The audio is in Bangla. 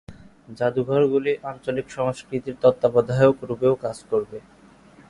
জাদুঘরগুলি আঞ্চলিক সংস্কৃতির তত্ত্বাবধায়ক রূপেও কাজ করবে।